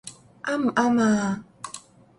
啱唔啱呀？